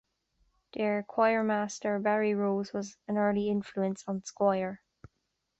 Their choirmaster, Barry Rose, was an early influence on Squire.